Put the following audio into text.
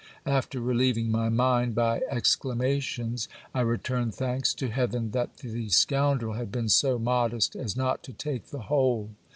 After relieving my mind by exclamations, I returned thanks to heaven that the scoundrel had been so modest as not to take the whole.